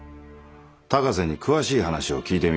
高瀬に詳しい話を聞いてみよう。